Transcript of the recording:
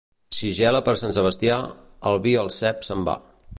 Si gela per Sant Sebastià, el vi al cep se'n va.